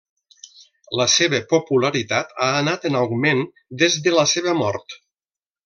La seva popularitat ha anat en augment des de la seva mort.